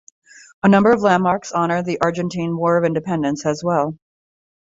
A number of landmarks honor the Argentine War of Independence, as well.